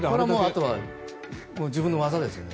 あとは自分の技ですよね。